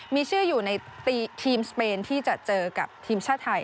มีชื่ออยู่ในทีมสเปนที่จะเจอกับทีมชาติไทย